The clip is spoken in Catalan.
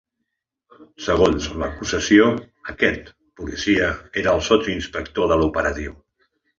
Segons l’acusació, aquest policia era el sotsinspector de l’operatiu.